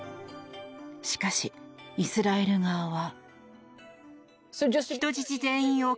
しかし、イスラエル側は。